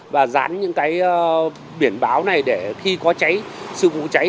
và dán những biển báo này để khi có cháy sư phụ cháy